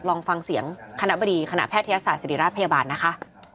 ลองฟังเสียงคณะบดีคณะแพทยศาสตร์ศิริราชพยาบาลนะคะ